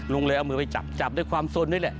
ลุงเลยเอามือไปจับจับด้วยความสนด้วยแหละ